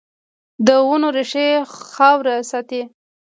د ونو ریښې خاوره ساتي